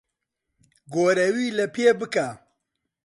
گۆرەوی لەپێ بکە.